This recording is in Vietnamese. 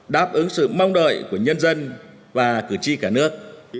đáp ứng sự mong đợi của nhân dân và cử tri cả nước